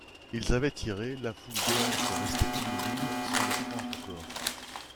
Ils avaient tiré, la foule béante restait immobile, sans le croire encore.